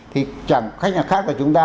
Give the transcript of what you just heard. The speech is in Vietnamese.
thì chẳng khách nhà khác là chúng ta